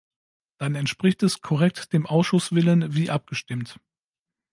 Dann entspricht es korrekt dem Ausschusswillen, wie abgestimmt.